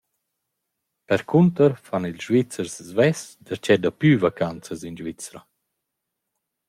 Percunter fan ils Svizzers svess darcheu daplü vacanzas in Svizra.